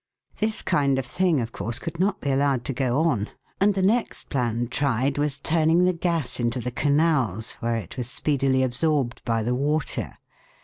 This kind of thing, of course, could not be allowed to go on, and the next plan tried was turning the gas into the canals, where it was speedily absorbed by the water.